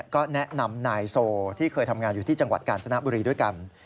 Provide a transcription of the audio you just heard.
ก็แนะนำนายโซที่เคยทำงานอยู่ที่จังหวัดกาญจนบุรีด้วยกัน